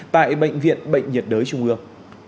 tại bệnh viện bệnh nhiệt đới trung ương